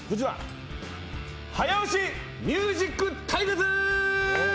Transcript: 早押しミュージック対決！